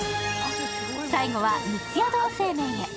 最後は三ツ矢堂製麺へ。